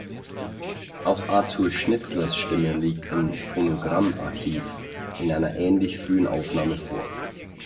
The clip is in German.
Auch Arthur Schnitzlers Stimme liegt im "Phonogramm-Archiv" in einer ähnlich frühen Aufnahme vor.